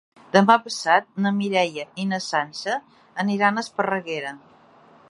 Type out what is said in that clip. Demà passat na Mireia i na Sança aniran a Esparreguera.